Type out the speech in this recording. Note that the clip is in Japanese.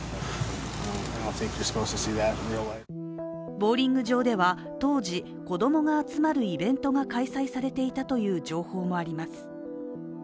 ボウリング場では、当時子供が集まるイベントが開催されていたという情報もあります。